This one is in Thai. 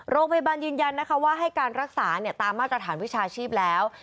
โรงพยาบาลยืนยันนะคะว่าให้การรักษาตามมาตรฐานวิชาชีพแล้ว